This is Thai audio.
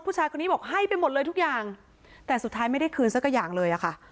ผู้ชายคนนี้บอกให้ไปหมดเลยทุกอย่างแต่สุดท้ายไม่ได้คืนสักอย่างเลยอะค่ะ